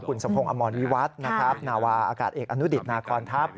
คุณสมพงศ์อำมวลวิวัตน์นาวาอากาศเอกอนุดิตนากรทัพฯ